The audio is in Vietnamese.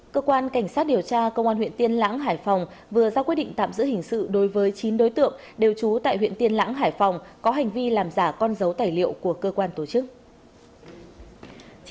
cơ quan cảnh sát điều tra công an huyện tiên lãng hải phòng vừa ra quyết định tạm giữ hình sự đối với chín đối tượng đều trú tại huyện tiên lãng hải phòng có hành vi làm giả con dấu tài liệu của cơ quan tổ chức